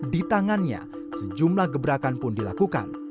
di tangannya sejumlah gebrakan pun dilakukan